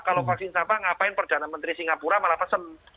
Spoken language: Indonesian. kalau vaksin sampah ngapain perdana menteri singapura malah pesen